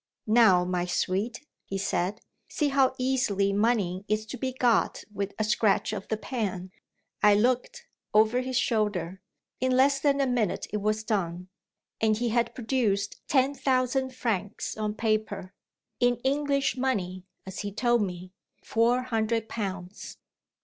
"Now, my sweet," he said, "see how easily money is to be got with a scratch of the pen." I looked, over his shoulder. In less than a minute it was done; and he had produced ten thousand francs on paper in English money (as he told me), four hundred pounds.